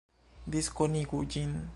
Diskonigu ĝin!